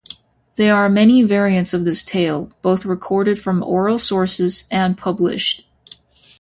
There are many variants of this tale, both recorded from oral sources and published.